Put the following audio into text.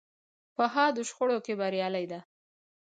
په حادو شخړو کې بریالۍ ده.